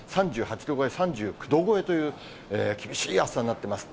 ３８度超え、３９度超えという、厳しい暑さになってます。